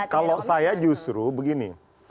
kalau saya justru begini